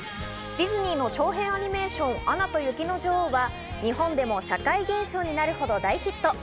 ディズニーの長編アニメーション『アナと雪の女王』は、日本でも社会現象になるほど大ヒット。